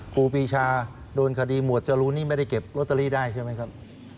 ครูปีชาโดนคดีหมวดจรูนนี่ไม่ได้เก็บลอตเตอรี่ได้ใช่ไหมครับ